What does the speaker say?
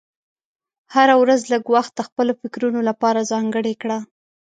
هره ورځ لږ وخت د خپلو فکرونو لپاره ځانګړی کړه.